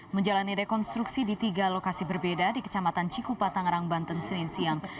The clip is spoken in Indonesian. menjalani rekonstruksi di tiga lokasi berbeda di kecamatan cikupa tangerang banten senin siang